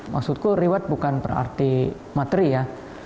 maksudku reward bukan berarti materi ya